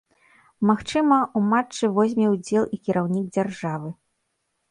Магчыма, у матчы возьме ўдзел і кіраўнік дзяржавы.